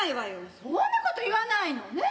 そんなこと言わないのねっ。